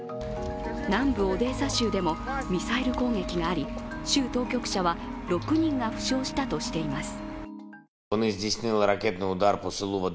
南部オデーサ州でもミサイル攻撃があり州当局者は、６人が負傷したとしています。